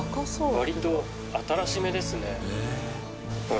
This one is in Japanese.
割と新しめですね。